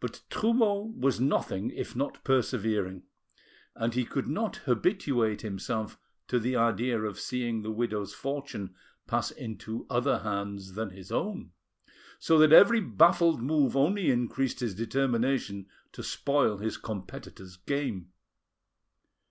But Trumeau was nothing if not persevering, and he could not habituate himself to the idea of seeing the widow's fortune pass into other hands than his own, so that every baffled move only increased his determination to spoil his competitor's game.